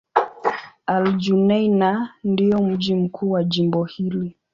Al-Junaynah ndio mji mkuu wa jimbo hili.